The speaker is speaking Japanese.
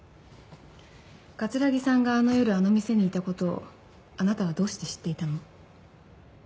城さんがあの夜あの店にいた事をあなたはどうして知っていたの？